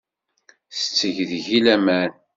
Tetteg deg-i laman.